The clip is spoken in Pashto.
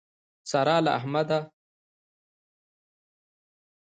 سارا له احمده خوټې وکښې.